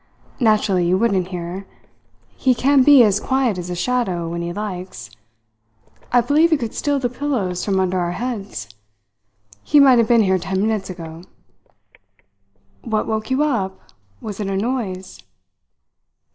"Naturally you wouldn't hear. He can be as quiet as a shadow, when he likes. I believe he could steal the pillows from under our heads. He might have been here ten minutes ago." "What woke you up? Was it a noise?"